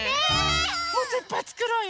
もっといっぱいつくろうよ。